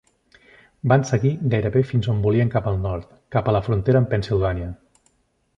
Van seguir gairebé fins on volien cap al nord, cap a la frontera amb Pennsilvània.